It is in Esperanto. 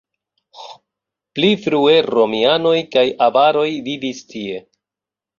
Pli frue romianoj kaj avaroj vivis tie.